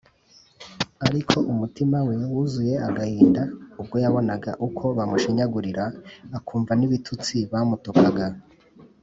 ariko umutima we wuzuye agahinda ubwo yabonaga uko bamushinyagurira akumva n’ibitutsi bamutukaga